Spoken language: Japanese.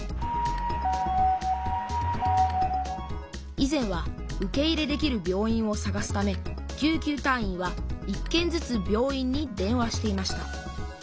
以前は受け入れできる病院をさがすため救急隊員は１けんずつ病院に電話していました。